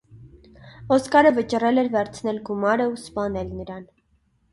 Օսկարը վճռել էր վերցնել գումարն ու սպանել նրան։